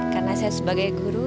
karena saya sebagai guru